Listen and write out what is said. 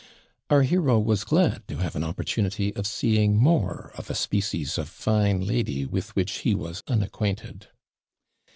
Our hero was glad to have an opportunity of seeing more of a species of fine lady with which he was unacquainted.